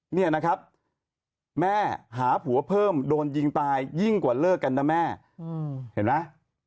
นี่นะครับแม่หาผัวเพิ่มโดนยิงตายยิ่งกว่าเลิกกันนะแม่เห็นไหม